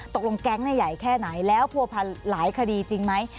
ตกลงแก๊งใหญ่แค่ไหนแล้วผัวพันหลายคดีจริงไหม